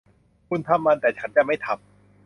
คุณทำมัน แต่ฉันจะไม่ทำ